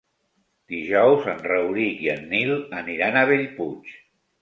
Dijous en Rauric i en Nil aniran a Bellpuig.